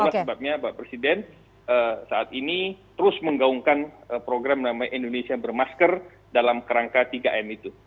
itulah sebabnya pak presiden saat ini terus menggaungkan program namanya indonesia bermasker dalam kerangka tiga m itu